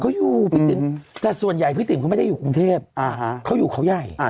เขาอยู่พี่ติ๋มแต่ส่วนใหญ่พี่ติ๋มเขาไม่ได้อยู่กรุงเทพเขาอยู่เขาใหญ่